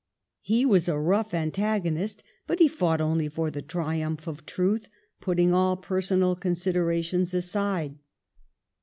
He was a rough antagonist, but he fought only for the triumph of truth, putting all personal considerations aside.